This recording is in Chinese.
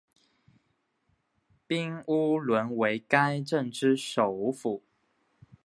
彬乌伦为该镇之首府。